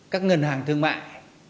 các ngân hàng thương mại